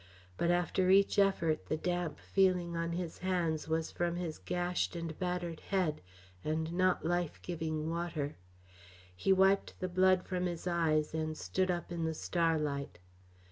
But after each effort the damp feeling on his hands was from his gashed and battered head and not life giving water. He wiped the blood from his eyes and stood up in the starlight.